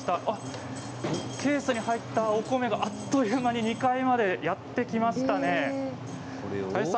ケースに入ったお米があっという間に２階までやって来ましたね。